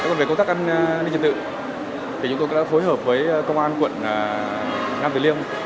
còn về công tác an ninh trật tự thì chúng tôi đã phối hợp với công an quận nam tử liêm